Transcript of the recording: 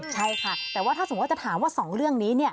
ใช่ค่ะแต่ว่าถ้าสมมุติจะถามว่า๒เรื่องนี้